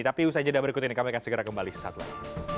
tapi usai jeda berikut ini kami akan segera kembali saat lain